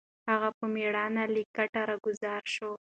هغه په مېړانه له کټه راکوز شو.